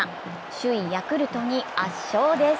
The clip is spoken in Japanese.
首位・ヤクルトに圧勝です。